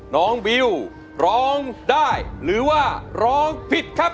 น้องบิวร้องได้หรือว่าร้องผิดครับ